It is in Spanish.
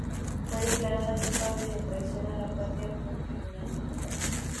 Fue declarada culpable de traición a la patria por un tribunal militar.